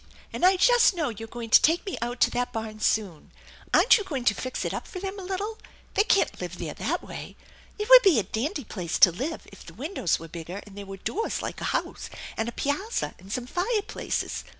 And I just know you're going to take me out to that barn soon. Aren't you going to fix it up for them a little? They can't live there that way. It would be a dandy place to live if the windows were bigger and there were doors like a house, and a piazza, and some fireplaces.